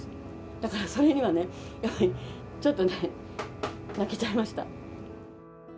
だからそれにはね、やっぱりちょっと、泣けちゃいました。